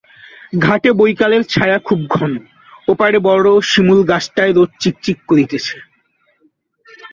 ঘাটে বৈকালের ছায়া খুব ঘন, ওপারে বড় শিমুল গাছটায় রোদ চিক চিক করিতেছে।